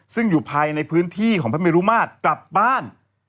ซึ่งอยู่ภายในพื้นที่ของพระเมรุมาตรกลับบ้าน